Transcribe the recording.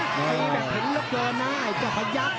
ตีแบบเห็นเหลือเกินนะไอ้เจ้าพยักษ